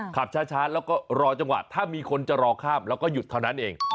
ขับช้าแล้วก็รอจังหวะถ้ามีคนจะรอข้ามแล้วก็หยุดเท่านั้นเอง